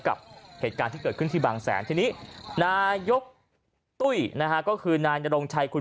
กับเหตุการณ์ที่เกิดขึ้นที่บางแสนทีนี้นายกตุ้ยนะฮะก็คือนายนรงชัยคุณ